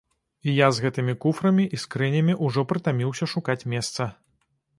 І я з гэтымі куфрамі і скрынямі ўжо прытаміўся шукаць месца.